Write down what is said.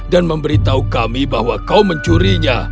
dan memberitahu kami bahwa kau mencurinya